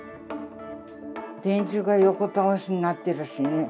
電柱が横倒しになってるしね。